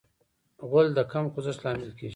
غول د کم خوځښت لامل کېږي.